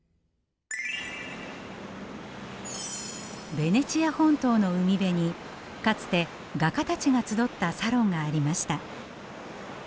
ベネチア本島の海辺にかつて画家たちが集ったサロンがありました。